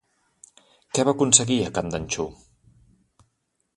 Què va aconseguir a Candanchú?